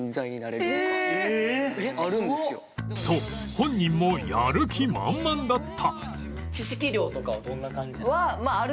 と本人もやる気満々だった